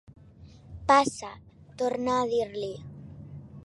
Passa —torna a dir-li.